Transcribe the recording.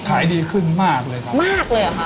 ขายดีขึ้นมากเลยครับมากเลยเหรอคะ